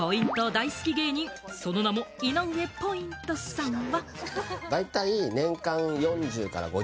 大好き芸人、その名も井上ポイントさんは。